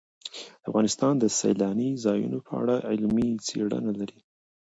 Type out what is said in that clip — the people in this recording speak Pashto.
افغانستان د سیلانی ځایونه په اړه علمي څېړنې لري.